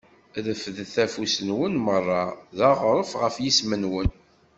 Refdet afus-nwen mara d-aɣreɣ ɣef yisem-nwen.